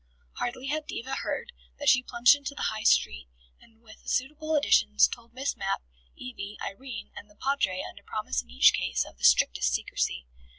Hardly had Diva heard, than she plunged into the High Street, and, with suitable additions, told Miss Mapp, Evie, Irene and the Padre under promise in each case, of the strictest secrecy.